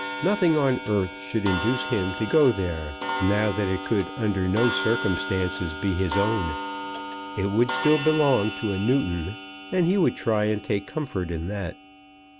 Nothing on earth should induce him to go there, now that it could under no circumstances be his own. It would still belong to a Newton, and he would try and take comfort in that.